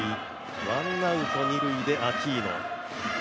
ワンアウト二塁でアキーノ。